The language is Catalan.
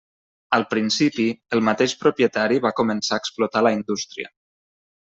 Al principi el mateix propietari va començar a explotar la indústria.